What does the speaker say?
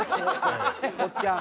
おっちゃん。